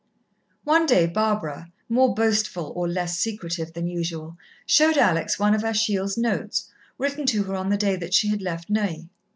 One day Barbara, more boastful or less secretive than usual, showed Alex one of Achille's notes, written to her on the day that she had left Neuilly.